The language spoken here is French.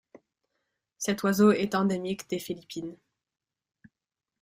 Cet oiseau est endémique des Philippines.